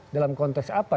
dalam konteks apa